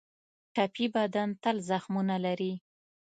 ټپي بدن تل زخمونه لري.